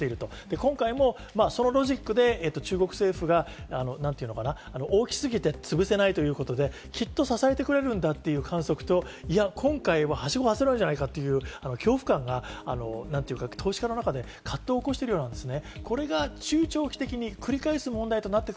今回もそのロジックで、中国政府が大きすぎてつぶせないということで、きっと支えてくれるんだという観測と、いや今回は、助けられないじゃないかということで、投資家が葛藤しているんですね。